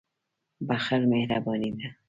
• بخښل مهرباني ده.